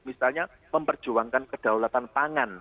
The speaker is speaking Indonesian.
misalnya memperjuangkan kedaulatan tangan